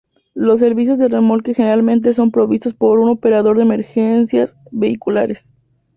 Los servicios de remolque generalmente son provistos por un operador de emergencias vehiculares.